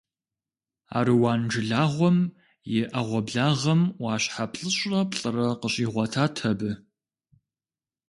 Аруан жылагъуэм и Ӏэгъуэблагъэм Ӏуащхьэ плӏыщӏрэ плӏырэ къыщигъуэтат абы.